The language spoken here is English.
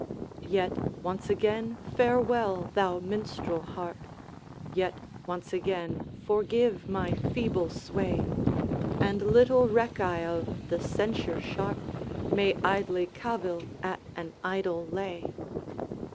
Yet, once again, farewell, thou Minstrel Harp! Yet, once again, forgive my feeble sway, And little reck I of the censure sharp May idly cavil at an idle lay.